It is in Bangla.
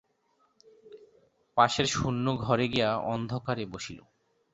পাশের শূন্য ঘরে গিয়া অন্ধকারে বসিল।